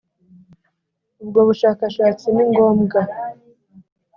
Ubwo bushakashatsi ni ngombwa